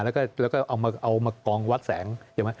แล้วก็เอามากองวัดแสง